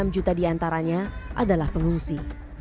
dua puluh enam juta di antaranya adalah pengungsi